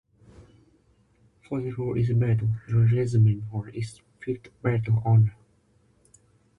For their role in the battle, the regiment won its fifth battle honour.